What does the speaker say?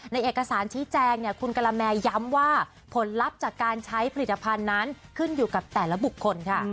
เอกสารชี้แจงคุณกะละแมย้ำว่าผลลัพธ์จากการใช้ผลิตภัณฑ์นั้นขึ้นอยู่กับแต่ละบุคคลค่ะ